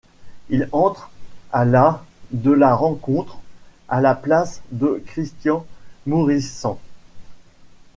Il entre à la de la rencontre, à la place de Christian Mouritsen.